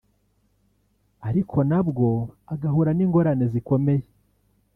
ariko nabwo agahura n’ingorane zikomeye